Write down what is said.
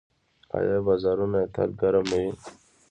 آیا بازارونه یې تل ګرم نه وي؟